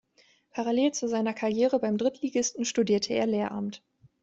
Parallel zu seiner Karriere beim Drittligisten studierte er Lehramt.